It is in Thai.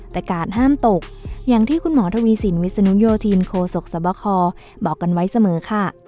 แต่กาลห้ามตกอย่างที่คุณหมอธวิสินธุ์วิษยณุยทีนโคศกศพบอกกันไว้เสมอค่ะ